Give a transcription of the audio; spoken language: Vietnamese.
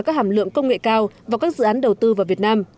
các hàm lượng công nghệ cao vào các dự án đầu tư vào việt nam